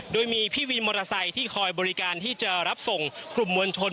โดยมีพี่วินมอเตอร์ไซค์ที่คอยบริการที่จะรับส่งกลุ่มมวลชน